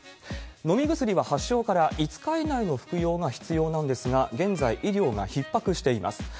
飲み薬は発症から５日以内の服用が必要なんですが、現在、医療がひっ迫しています。